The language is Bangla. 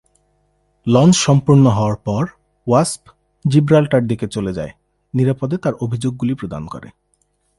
লঞ্চ সম্পূর্ণ হওয়ার পর, "ওয়াস্প" জিব্রাল্টার দিকে চলে যায়, নিরাপদে তার অভিযোগগুলি প্রদান করে।